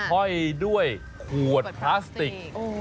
ห้อยด้วยขวดพลาสติก